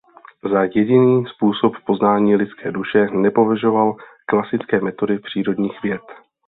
Za jediný způsob poznání lidské duše nepovažoval klasické metody přírodních věd.